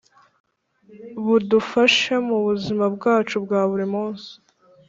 budufashe mu buzima bwacu bwa buri munsi.